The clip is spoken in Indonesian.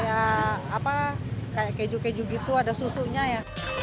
ya apa kayak keju keju gitu ada susunya ya